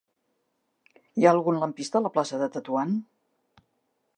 Hi ha algun lampista a la plaça de Tetuan?